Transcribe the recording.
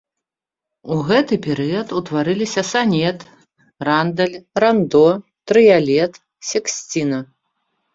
У гэты перыяд утварыліся санет, рандэль, рандо, трыялет, сексціна.